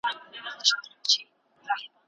نجلۍ له خپل ځای څخه پورته شوه.